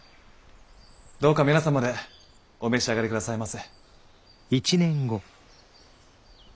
どうか皆様でお召し上がり下さいませ。